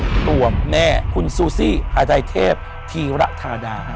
มูตรวมแน่คุณซูซี่อาทัยเทพทีระทาดา